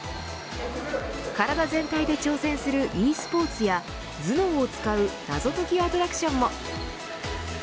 体全体で挑戦するｅスポーツやズームを使う謎解きアトラクションも。